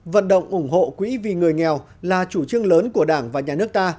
vận động ủng hộ quỹ vì người nghèo là chủ trương lớn của đảng và nhà nước ta